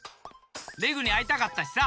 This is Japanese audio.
レグにあいたかったしさ。